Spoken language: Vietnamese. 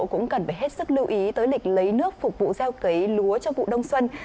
cũng cần phải hết sức lưu ý tới lịch lấy nước phục vụ gieo cấy lúa cho vụ đông xuân